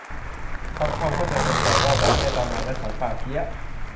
ทำความเข้าใจกันก่อนว่า ดอยแม่ตะมาน และ สันป่าเกี๊ยะ